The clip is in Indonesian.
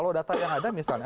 kalau data yang ada misalnya